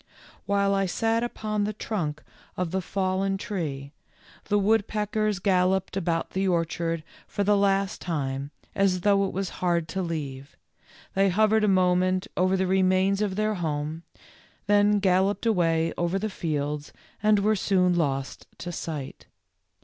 While I sat upon the trunk of the fallen tree, 32 THE LITTLE FORESTERS. the woodpeckers galloped about the orchard for the last time as though it was hard to leave ; they hovered a moment over the remains of their home, then galloped away over the fields, and were soon lost to sight.